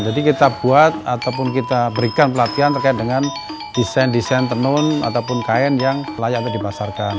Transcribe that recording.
jadi kita buat ataupun kita berikan pelatihan terkait dengan desain desain tenun ataupun kain yang layak dimasarkan